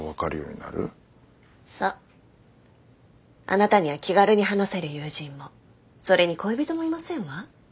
あなたには気軽に話せる友人もそれに恋人もいませんわ。